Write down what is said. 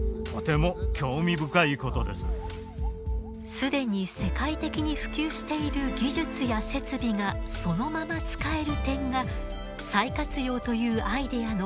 既に世界的に普及している技術や設備がそのまま使える点が再活用というアイデアの最大の利点です。